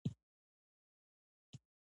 کوتره تنهایي نه خوښوي.